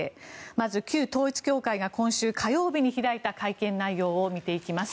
まず、旧統一教会が今週火曜日に開いた会見内容を見ていきます。